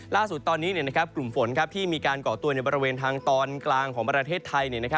ล่าสุดตอนนี้กลุ่มฝนที่มีการก่อตัวในบริเวณทางตอนกลางของประเทศไทย